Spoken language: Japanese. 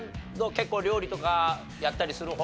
結構料理とかやったりする方？